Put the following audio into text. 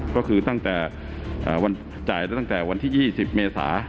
คือจ่ายได้ตั้งแต่วันที่๒๐เมษา